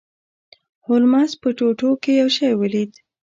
هولمز په ټوټو کې یو شی ولید.